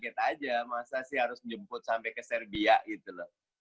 saya kaget saja masa sih harus menjemput sampai ke serbia gitu loh